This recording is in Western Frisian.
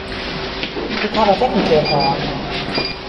Ik ha dat ek in kear hân.